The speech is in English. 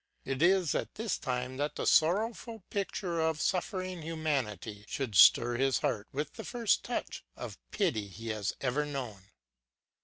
It is at this time that the sorrowful picture of suffering humanity should stir his heart with the first touch of pity he has ever known.